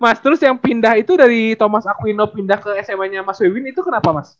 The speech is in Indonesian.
mas tulus yang pindah itu dari thomas akuino pindah ke sma nya mas wewin itu kenapa mas